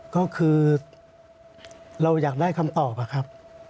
ก็คือเราอยากได้คำตอบอะครับ